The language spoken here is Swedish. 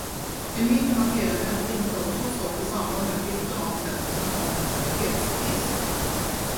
En mindre materiell ändring föreslås dock i samband med flytten av bestämmelserna om kvalitetsregister.